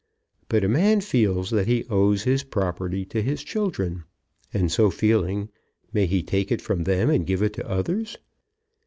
But a man feels that he owes his property to his children; and, so feeling, may he take it from them and give it to others?